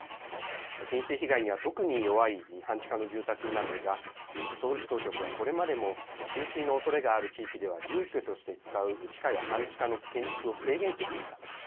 浸水被害には特に弱い半地下の住宅なんですがソウル市当局は、これまでも浸水のおそれがある地域では住居として使う地下や半地下の建築を制限してきました。